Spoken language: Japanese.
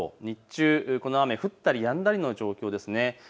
日中この雨、降ったりやんだりの状況です。